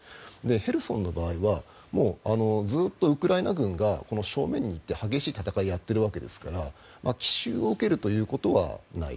ヘルソンの場合はずっとウクライナ軍が正面にいて激しい戦いをやっているわけですから奇襲を受けることはない。